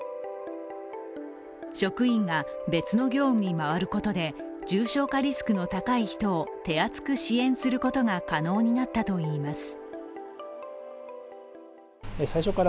職員が別の業務に回ることで、重症化リスクの高い人を手厚く支援することが可能になったといいます。